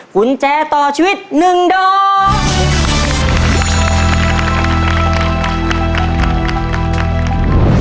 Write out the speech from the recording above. ขุนแจต่อชีวิตหนึ่งดอม